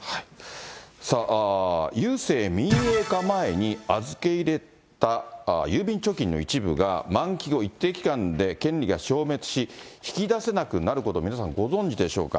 さあ郵政民営化前に預け入れた郵便貯金の一部が、満期後一定期間で権利が消滅し、引き出せなくなること、皆さん、ご存じでしょうか。